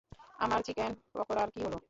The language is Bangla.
আমার চিকেন পাকোড়ার কী হলো?